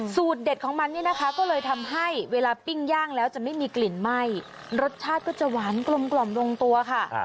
สูตรเด็ดของมันเนี่ยนะคะก็เลยทำให้เวลาปิ้งย่างแล้วจะไม่มีกลิ่นไหม้รสชาติก็จะหวานกลมลงตัวค่ะ